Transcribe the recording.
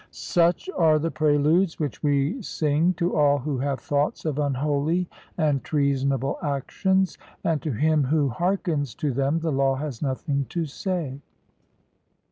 Such are the preludes which we sing to all who have thoughts of unholy and treasonable actions, and to him who hearkens to them the law has nothing to say.